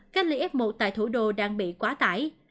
cách ly f một tại thủ đô đang bị quá tải